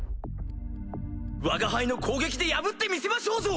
わが輩の攻撃で破ってみせましょうぞ！